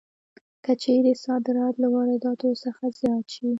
که چېرې صادرات له وارداتو څخه زیات شي